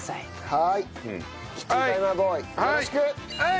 はい！